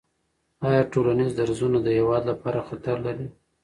آیا ټولنیز درزونه د هېواد لپاره خطر لري؟